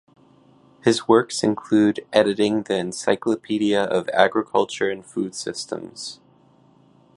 His works include editing the "Encyclopedia of Agriculture and Food Systems".